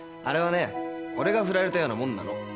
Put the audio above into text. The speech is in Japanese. あれはね俺が振られたようなもんなの。